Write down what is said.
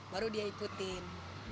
baru dia ikutin